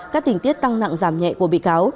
các tình tiết tăng nặng giảm nhẹ của bị cáo